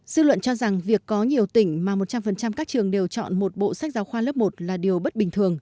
dư luận cho rằng việc có nhiều tỉnh mà một trăm linh các trường đều chọn một bộ sách giáo khoa lớp một là điều bất bình thường